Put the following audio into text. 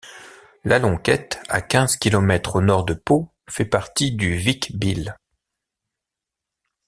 Lalonquette, à quinze kilomètres au nord de Pau fait partie du Vic-Bilh.